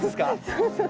そうそう。